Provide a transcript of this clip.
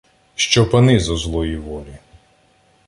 Що пани зо злої волі